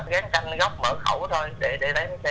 gán canh góc mở khẩu thôi để đánh sáng thôi